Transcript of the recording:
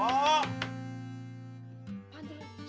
apaan tuh ini